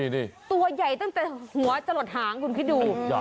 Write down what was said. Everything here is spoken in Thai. นี่ตัวใหญ่ตั้งแต่หัวจะหลดหางคุณคิดดู